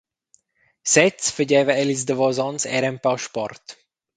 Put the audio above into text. Sez fageva el ils davos onns era empau sport.